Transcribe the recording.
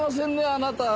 あなたは。